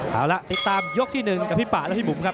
เอาละติดตามยกที่๑กับพี่ป่าและพี่บุ๋มครับ